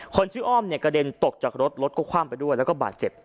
คนชื่ออ้อมเนี่ยกระเด็นตกจากรถรถก็คว่ำไปด้วยแล้วก็บาดเจ็บ